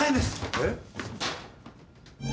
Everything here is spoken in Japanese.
えっ？